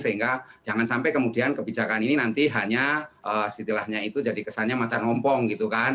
sehingga jangan sampai kemudian kebijakan ini nanti hanya istilahnya itu jadi kesannya macan ngompong gitu kan